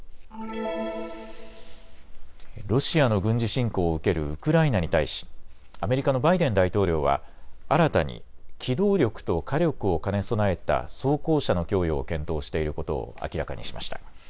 ロシアの軍事侵攻を受けるウクライナに対しアメリカのバイデン大統領は新たに機動力と火力を兼ね備えた装甲車の供与を検討していることを明らかにしました。